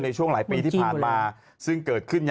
นี่แหละครับดูนี้